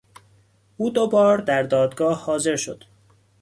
او دوبار در دادگاه حاضر شد.